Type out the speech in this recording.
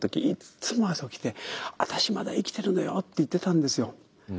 いつも朝起きて「私まだ生きてるのよ」って言ってたんですよ。